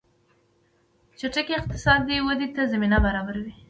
چټکې اقتصادي ودې ته زمینه برابره شوه.